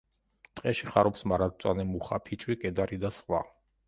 ტყეში ხარობს მარადმწვანე მუხა, ფიჭვი, კედარი და სხვა.